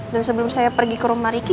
dan sebelum saya pergi ke rumah riki